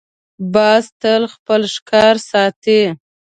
باز تل خپل ښکار ساتي